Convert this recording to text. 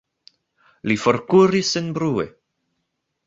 Li forkuris senbrue.